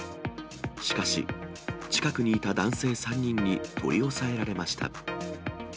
しかし、近くにいた男性３人に取り押さえられました。